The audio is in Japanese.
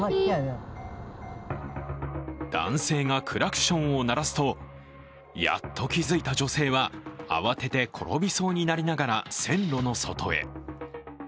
男性がクラクションを鳴らすとやっと気づいた女性は慌てて転びそうになりながら線路の外へ。